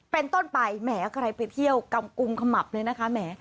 เป็นต้นไปแหมกระไรเป็นเที่ยวกำกุมขมับเลยนะคะ